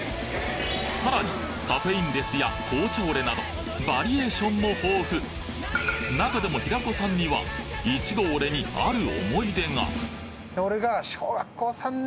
さらにカフェインレスや紅茶オレなどバリエーションも豊富中でも平子さんにはいちごオレにある思い出がへいいですね。